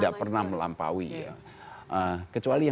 tidak pernah melampaui ya